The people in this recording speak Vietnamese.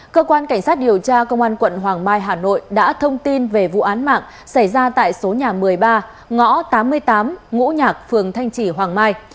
cơ quan cảnh sát điều tra công an quận hoàng mai hà nội đã thông tin về vụ án mạng xảy ra tại số nhà một mươi ba ngõ tám mươi tám ngũ nhạc phường thanh chỉ hoàng mai